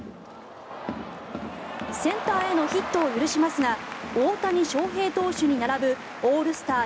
センターへのヒットを許しますが大谷翔平投手に並ぶオールスター